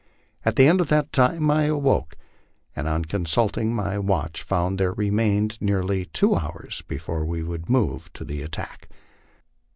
At the end of that time I awoke, and on consulting my watch found there remained nearly two hours before we would move to the attack.